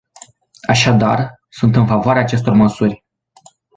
Așadar, sunt în favoarea acestor măsuri.